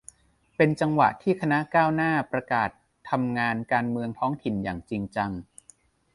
เป็นจังหวะที่คณะก้าวหน้าประกาศทำงานการเมืองท้องถิ่นอย่างจริงจัง